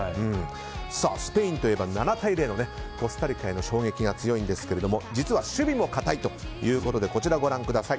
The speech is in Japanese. スペインといえば７対０のコスタリカへの衝撃が強いんですけれども実は守備も堅いということでこちら、ご覧ください。